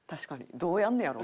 どうやんねやろう？